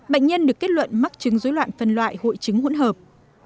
bệnh nhân được kết luận mắc chứng dối loạn phân loại hội chứng hỗn hợp